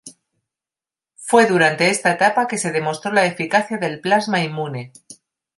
Fue durante esta etapa que se demostró la eficacia del plasma inmune.